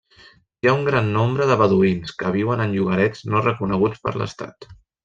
Hi ha un gran nombre de beduïns que viuen en llogarets no reconeguts per l'estat.